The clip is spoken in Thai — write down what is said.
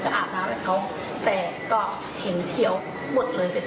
ก็อาบน้ำให้เขาแต่ก็เห็นเทียวหมดเลย